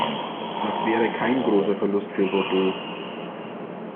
Das wäre kein großer Verlust für Bordeaux.